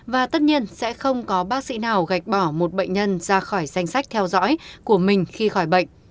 và tất nhiên sẽ không có bác sĩ nào gạch bỏ một bệnh nhân ra khỏi danh sách theo dõi của mình khi khỏi bệnh